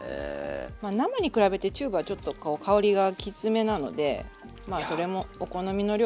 まあ生に比べてチューブはちょっと香りがきつめなのでまあそれもお好みの量。